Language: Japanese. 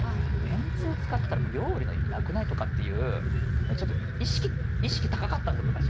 「めんつゆ使ったらもう料理の意味なくない？」とかって言うちょっと意識高かったんですよ昔。